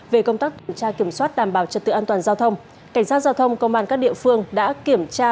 về công tác tra kiểm soát đảm bảo trật tự an toàn giao thông cảnh sát giao thông công an các địa phương đã kiểm tra